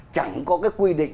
chẳng có cái quy định